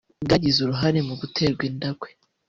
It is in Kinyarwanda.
bwagize uruhare mu guterwa inda kwe